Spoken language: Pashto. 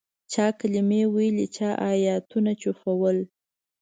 چا کلمې ویلې چا آیتونه چوفول.